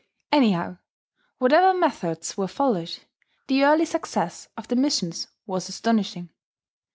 Anyhow, whatever methods were followed, the early success of the missions was astonishing.